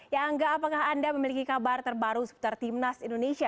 ya angga apakah anda memiliki kabar terbaru seputar timnas indonesia